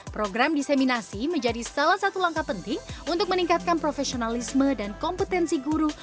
program diseminasi menjadi salah satu langkah penting untuk meningkatkan profesionalisme dan kompetensi guru